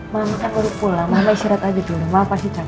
mama kan baru pulang mama isyarat aja dulu mama pasti capek